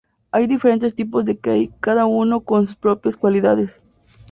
Hay diferentes tipos de Kei, cada uno con sus propias cualidades.